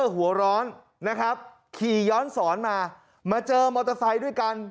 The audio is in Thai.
หัวร้อนนะครับขี่ย้อนสอนมามาเจอมอเตอร์ไซค์ด้วยกัน